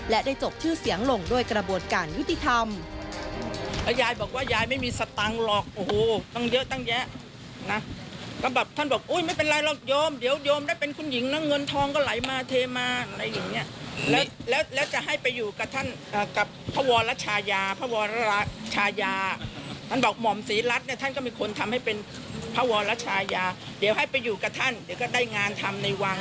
และได้จบชื่อเสียงลงด้วยกระบวนการยุติธรรม